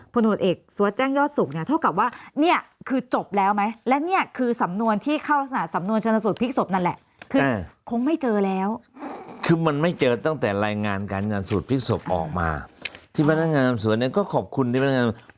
พลหนดเอกสัวร์จแจ้งยอดสุกเนี่ย